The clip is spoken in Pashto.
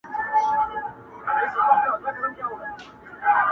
چي ډېري غورېږي، هغه لږ اورېږي.